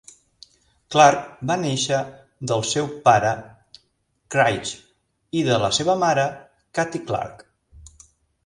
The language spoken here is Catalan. Clark va néixer del seu pare Craig i de la seva mare Cathy Clark.